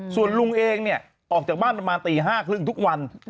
ส่วนลุงเองเนี่ยออกจากบ้านประมาณตี๕๓๐ทุกวัน